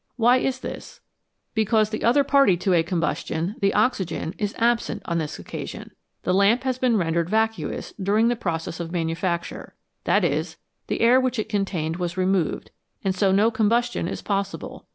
Why is this ? Because the other party to a combustion, the oxygen, is absent on this occasion. The lamp has been rendered vacuous during the process of manufacture that is, the air which it contained was removed and so no combustion is possible.